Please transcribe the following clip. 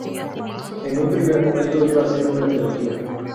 En un primer momento iba a ser una trilogía.